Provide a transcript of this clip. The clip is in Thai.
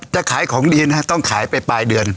จะขายของดีนะต้องขายไปปลายเดือน